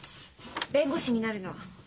弁護士になるのを。